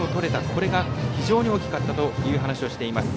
これが非常に大きかったという話をしています。